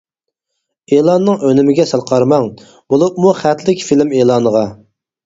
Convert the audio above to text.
ئېلاننىڭ ئۈنۈمىگە سەل قارىماڭ، بولۇپمۇ خەتلىك فىلىم ئېلانىغا.